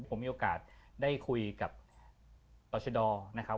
ผมมีโอกาสได้คุยกับต่อชะดอนะครับ